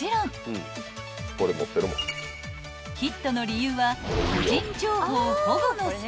［ヒットの理由は］